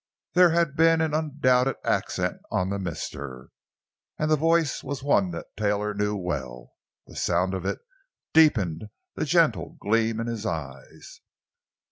There had been an undoubted accent on the "Mr." And the voice was one that Taylor knew well; the sound of it deepened the gentle gleam in his eyes.